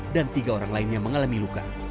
dan tiga orang lainnya mengalami luka